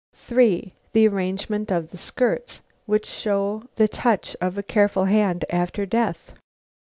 3. The arrangement of the skirts, which show the touch of a careful hand after death.